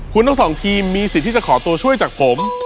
คุณทั้งสองทีมมีสิทธิ์ที่จะขอตัวช่วยจากผม